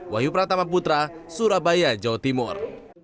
wahyu pratama putra surabaya jawa timur